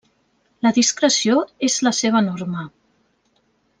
La discreció és la seva norma.